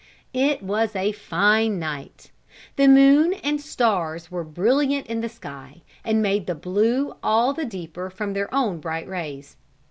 It was a fine night. The moon and stars were brilliant in the sky, and made the blue all the deeper from their own bright rays.